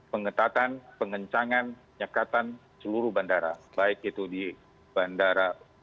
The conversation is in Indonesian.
pengetahuan pengencangan nyekatan seluruh bandara baik itu di bandara